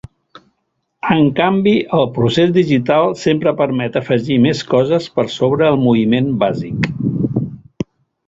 En canvi, el procés digital sempre permet afegir més coses per sobre el moviment bàsic.